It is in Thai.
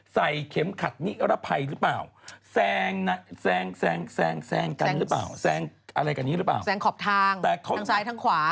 ใส่เข็มขัดนิรภัยหรือเปล่าแซงกันหรือเปล่าแซงขอบทางทางซ้ายทางขวา